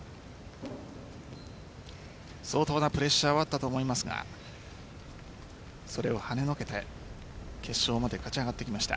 相当なプレッシャーはあったと思いますがそれをはねのけて決勝まで勝ち上がってきました。